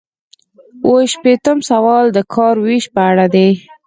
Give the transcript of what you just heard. اووه شپیتم سوال د کار ویش په اړه دی.